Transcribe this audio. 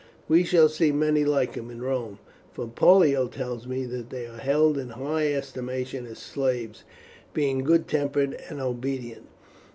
We shall see many like him in Rome, for Pollio tells me that they are held in high estimation as slaves, being good tempered and obedient."